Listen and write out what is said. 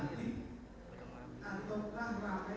tidak ada bebasan